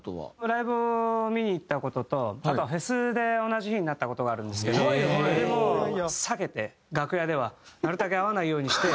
ライブを見に行った事とあとはフェスで同じ日になった事があるんですけどでも避けて楽屋ではなるたけ会わないようにして。